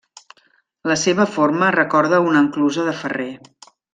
La seva forma recorda a una enclusa de ferrer.